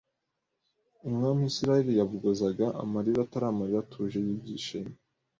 Umwami w'Isiraeli yabogozaga amarira atari amarira atuje y'ibyishimo